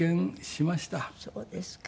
そうですか。